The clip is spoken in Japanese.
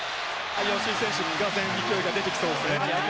吉井選手、がぜん、勢いが出てきそうですね。